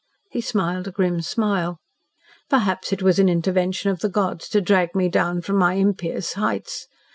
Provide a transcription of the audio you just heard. He smiled a grim smile. "Perhaps it was an intervention of the gods to drag me down from my impious heights.